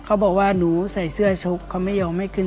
ก็พูดว่าวันนี้มีคนจะมาวางยานักมัวให้ระวังดีนะครับ